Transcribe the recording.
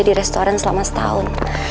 di restoran selama setahun